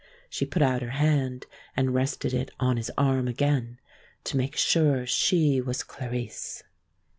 She put out her hand and rested it on his arm again to make sure she was Clarice.